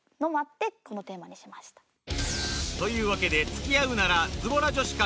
というわけで付き合うならズボラ女子か？